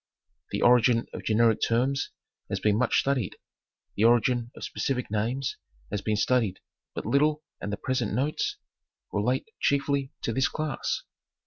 The origin of generic terms has been much studied. The origin of specific names has been studied but little and the present 274 National Geographic Magazine. notes relate chiefly to this class.